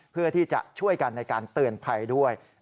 เพื่อที่จะช่วยกันในการเตือนภัยด้วย